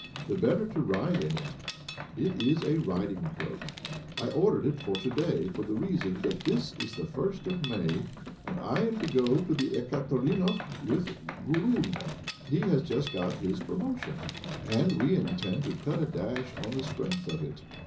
"The better to ride in it. It is a riding coat. I ordereid it for to day for the reason that this is the first of May and I am to go to the Ekaterinhov ' with Gorunov. He has just got his promotion, arid we intend to cut a dash on the strength of it.